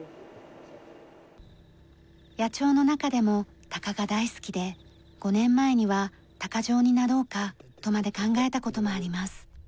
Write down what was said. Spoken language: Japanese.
野鳥の中でも鷹が大好きで５年前には鷹匠になろうかとまで考えた事もあります。